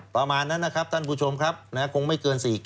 ประมาณนั้นนะครับท่านผู้ชมครับคงไม่เกิน๔๙